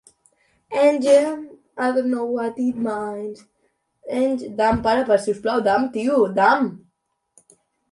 全線均在台南市境內